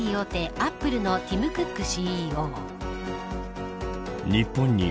アップルのティム・クックＣＥＯ。